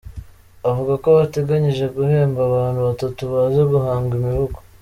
Avuga ko bateganyije guhemba abantu batatu bazi guhanga imivugo.